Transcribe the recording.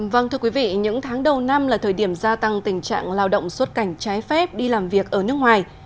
vâng thưa quý vị những tháng đầu năm là thời điểm gia tăng tình trạng lao động xuất cảnh trái phép đi làm việc ở nước ngoài